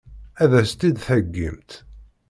Ad as-tt-id-theggimt?